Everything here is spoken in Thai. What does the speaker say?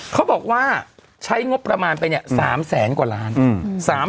เขาบอกว่าใช้งบประมาณเป็น๓แสนกว่าล้านบาท